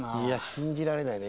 信じられないね